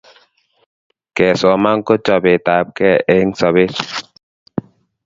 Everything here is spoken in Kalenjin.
kesoman ko chapet apkei eng sapet